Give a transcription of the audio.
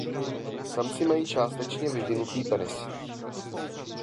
Samci mají částečně vyvinutý penis.